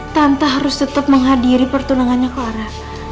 tante harus tetap menghadiri pertunangannya clara